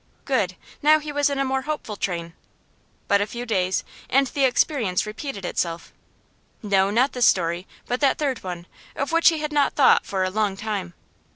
Good; now he was in more hopeful train. But a few days, and the experience repeated itself. No, not this story, but that third one, of which he had not thought for a long time.